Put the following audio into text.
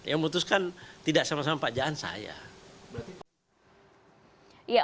yang memutuskan tidak sama sama pak jaan saya